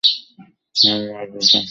হ্যাঁ, মারব তো।